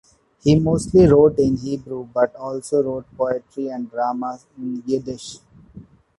He mostly wrote in Hebrew, but also wrote poetry and dramas in Yiddish.